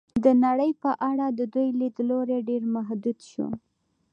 د نړۍ په اړه د دوی لید لوری ډېر محدود شو.